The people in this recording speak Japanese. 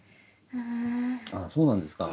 ああそうなんですか。